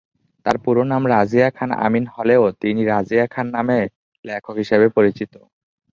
তার পুরো নাম রাজিয়া খান আমিন হলেও তিনি রাজিয়া খান নামে লেখক হিসেবে পরিচিত।